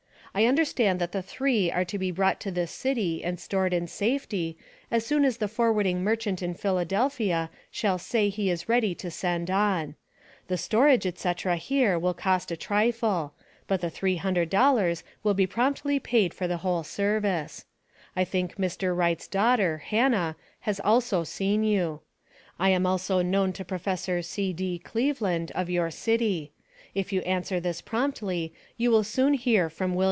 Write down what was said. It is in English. I understand that the three are to be brought to this city and stored in safety, as soon as the forwarding merchant in Philadelphia shall say he is ready to send on. The storage, etc., here, will cost a trifle, but the $300 will be promptly paid for the whole service. I think Mr. Wright's daughter, Hannah, has also seen you. I am also known to Prof. C.D. Cleveland, of your city. If you answer this promptly, you will soon hear from Wm.